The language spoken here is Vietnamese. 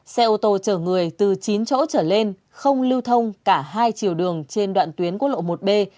xe ô tô chở người từ chín chỗ trở lên không lưu thông cả hai chiều đường trên đoạn tuyến quốc lộ một b